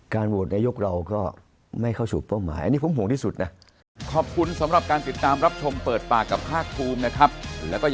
การโหวตนายกเราก็ไม่เข้าสูตรเป้าหมาย